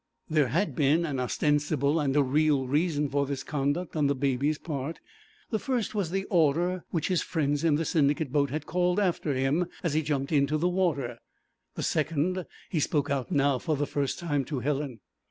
There had been an ostensible and a real reason for this conduct on the Baby's part. The first was the order which his friends in the Syndicate boat had called after him as he jumped into the water, the second he spoke out now for the first time to Helen.